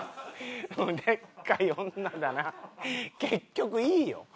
結局いいよ。